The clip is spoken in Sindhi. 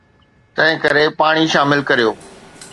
تنهنڪري پاڻي شامل ڪريو.